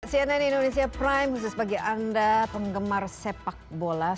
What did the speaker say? cnn indonesia prime khusus bagi anda penggemar sepak bola